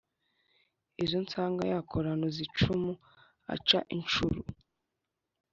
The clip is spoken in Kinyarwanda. izo sange yakoranuza icumu aca incucu,